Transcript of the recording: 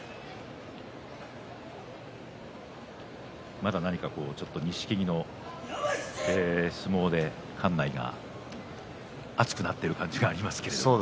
まだ何か錦木の相撲で館内が熱くなっている感じがあります。